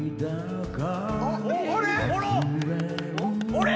あれ？